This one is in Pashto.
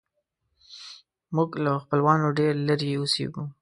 موږ له خپلوانو ډېر لیرې اوسیږو